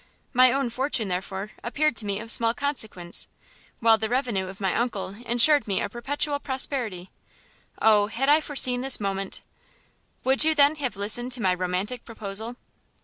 My own fortune, therefore, appeared to me of small consequence, while the revenue of my uncle insured me perpetual prosperity. Oh had I foreseen this moment " "Would you, then, have listened to my romantic proposal?"